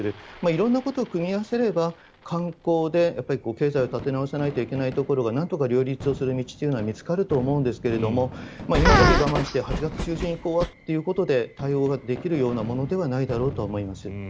色んなことを組み合わせれば観光で経済を立て直さないといけないところがなんとか両立する道は見つかると思うんですが今だけ我慢して８月中旬にっていうことで対応できるようなものではないだろうと思います。